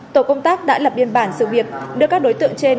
tổ công tác đã lập biên bản sự việc đưa các đối tượng trên